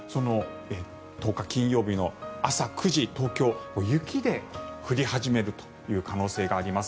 １０日金曜日の朝９時東京、雪で降り始めるという可能性があります。